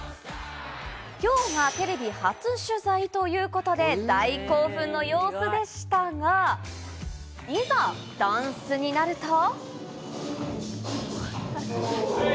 今日がテレビ初取材ということで大興奮の様子でしたが、いざダンスになると。